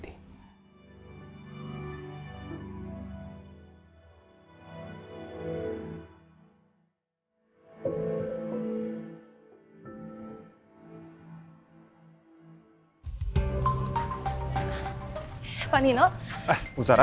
jangan kecewakan saya